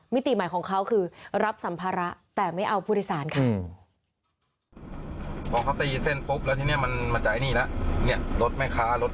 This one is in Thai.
ติใหม่ของเขาคือรับสัมภาระแต่ไม่เอาผู้โดยสารค่ะ